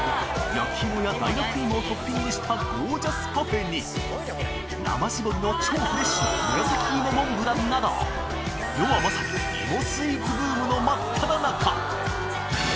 焼き芋や大学芋をトッピングしたゴージャスパフェに生絞りの超フレッシュな紫芋モンブランなど世はまさにのまっただ中！